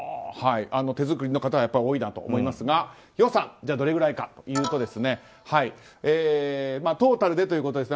手作りの方が多いなと思いますが予算、どれくらいかというとトータルでということですが